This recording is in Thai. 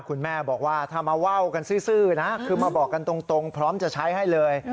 คุณแม่บอกว่าถ้ามาว่าวกันซื่อนะคือมาบอกกันตรงพร้อมจะใช้ให้เลย